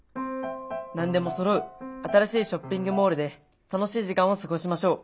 何でもそろう新しいショッピングモールで楽しい時間を過ごしましょう。